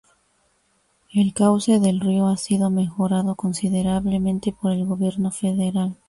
El cauce del río ha sido mejorado considerablemente por el gobierno federal.